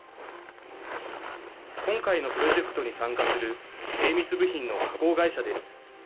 今回のプロジェクトに参加する精密部品の加工会社です。